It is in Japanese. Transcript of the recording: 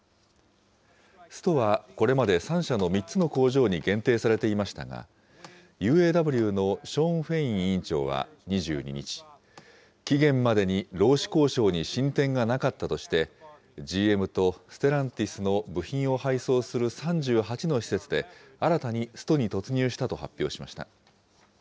ストはこれまで３社の３つの工場に限定されていましたが、ＵＡＷのショーン・フェイン委員長は２２日、期限までに労使交渉に進展がなかったとして、ＧＭとステランティスの部品を配送する３８の施設で、新たにストに突入したと発表しました。